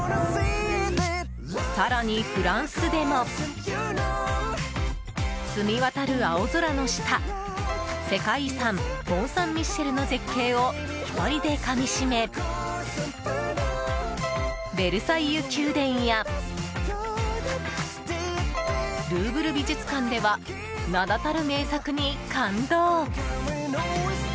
更に、フランスでも澄み渡る青空の下世界遺産モンサンミッシェルの絶景を１人でかみしめベルサイユ宮殿やルーブル美術館では名だたる名作に感動。